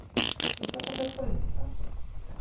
¿Iso é facer política?